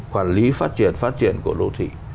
quản lý phát triển phát triển của đô thị